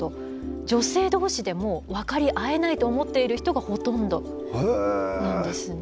女性どうしでも分かり合えないと思っている人がほとんどなんですね。